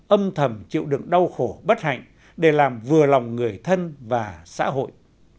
âm thầm chịu đựng đau khổ bất hạnh để làm vừa lòng người thân và xã hội